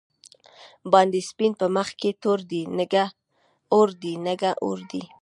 باندی سپین په منځ کی تور دۍ، نگه اور دی نگه اور دی